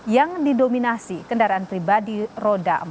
yang didominasi kendaraan pribadi roda empat